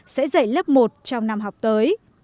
sẽ dạy lớp một trong năm học tới